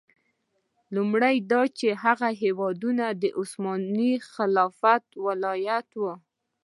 لومړی دا چې دغه هېوادونه د عثماني خلافت ولایتونه وو.